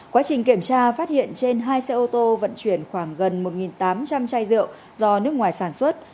quá trình kiểm tra phát hiện trên hai xe ô tô vận chuyển khoảng gần một tám trăm linh chai rượu do nước ngoài sản xuất